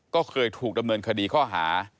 ก็เคยถูกดำเนินคดีข้อหา